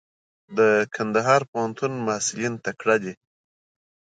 د کندهار پوهنتون محصلین تکړه دي.